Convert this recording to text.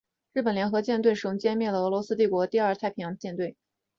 日本联合舰队使用歼灭了俄罗斯帝国第二太平洋舰队。